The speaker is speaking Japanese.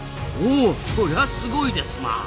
おそりゃすごいですな。